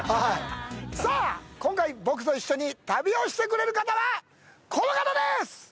さあ、今回、僕と一緒に旅をしてくれる方は、この方です！